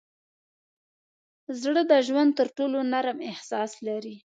زړه د ژوند تر ټولو نرم احساس لري.